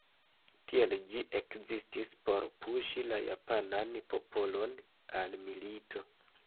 Tiel ĝi ekzistis por puŝi la japanan popolon al milito.